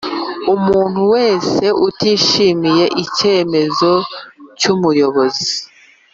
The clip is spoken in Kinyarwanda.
umuntu wese utishimiye icyemezo cy Umuyobozi